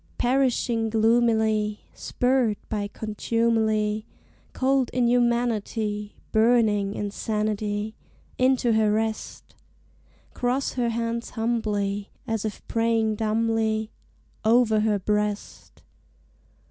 Perishing gloomily, Spurred by contumely, Cold inhumanity, Burning insanity, Into her rest! Cross her hands humbly, As if praying dumbly, Over her breast!